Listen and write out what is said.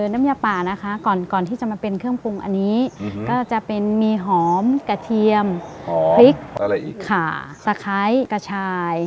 น้ำยาป่านะคะก่อนก่อนที่จะมาเป็นเครื่องปรุงอันนี้ก็จะเป็นมีหอมกระเทียมพริกอะไรอีกค่ะสะไคร้กระชาย